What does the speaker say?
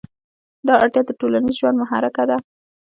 دا اړتیا د ټولنیز ژوند محرکه ده.